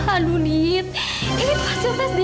aduh dit ini tuh hasil tes dna dit